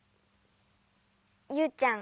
ユウちゃん